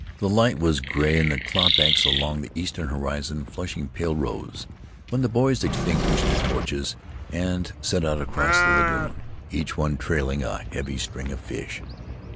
The light was gray and the cloud banks along the eastern horizon flushing pale rose when the boys extinguished their torches and set out across the lagoon, each one trailing a heavy string of fish.